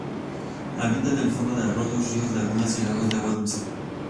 Habita en el fondo de arroyos, ríos, lagunas y lagos de agua dulce.